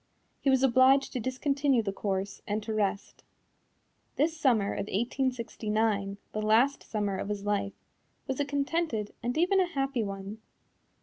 He was obliged to discontinue the course and to rest. This summer of 1869 the last summer of his life was a contented and even a happy one.